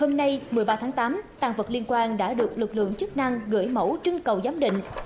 hôm nay một mươi ba tháng tám tàn vật liên quan đã được lực lượng chức năng gửi mẫu trưng cầu giám định